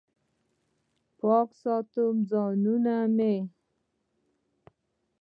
پاک ساتم ځایونه مې